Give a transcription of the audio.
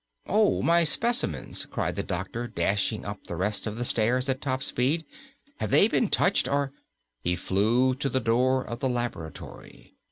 "Oh, my specimens!" cried the doctor, dashing up the rest of the stairs at top speed. "Have they been touched or " He flew to the door of the laboratory.